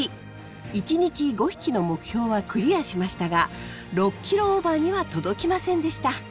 １日５匹の目標はクリアしましたが６ｋｇオーバーには届きませんでした。